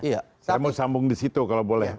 saya mau sambung di situ kalau boleh